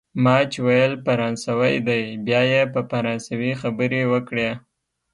ما چي ویل فرانسوی دی، بیا یې په فرانسوي خبرې وکړې.